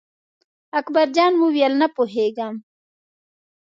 اکبر جان وویل: نه پوهېږم.